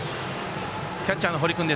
キャッチャーの堀君